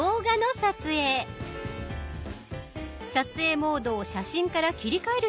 撮影モードを「写真」から切り替える必要があります。